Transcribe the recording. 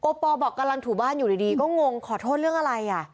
ปอลบอกกำลังถูบ้านอยู่ดีก็งงขอโทษเรื่องอะไรอ่ะ